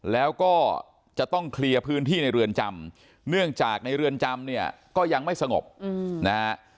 แล้วก็จะต้องเคลียร์พื้นที่ในเรือนจำเนื่องจากในเรือนจำเนี่ยก็ยังไม่สงบนะฮะ